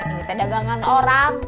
ini teh dagangan orang